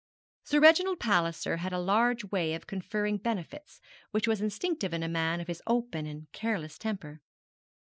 Sir Reginald Palliser had a large way of conferring benefits, which was instinctive in a man of his open and careless temper.